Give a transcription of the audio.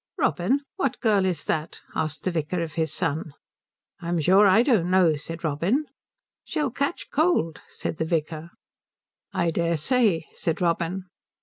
"Robin, what girl is that?" asked the vicar of his son. "I'm sure I don't know," said Robin. "She'll catch cold," said the vicar. "I dare say," said Robin.